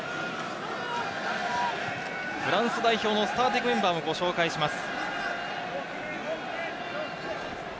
フランス代表のスターティングメンバーをご紹介します。